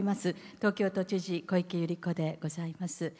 東京都知事小池百合子でございます。